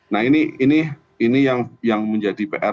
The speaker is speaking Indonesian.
nah ini yang menjadi pr